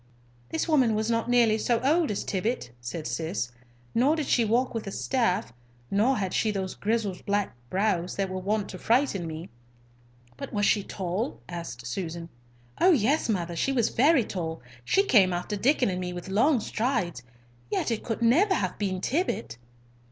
"This woman was not nearly so old as Tibbott," said Cis, "nor did she walk with a staff, nor had she those grizzled black brows that were wont to frighten me." "But was she tall?" asked Susan. "Oh yes, mother. She was very tall—she came after Diccon and me with long strides—yet it could never have been Tibbott!"